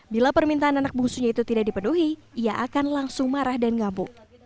bila permintaan anak bungsunya itu tidak dipenuhi ia akan langsung marah dan ngabuk